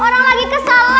orang lagi kesel lho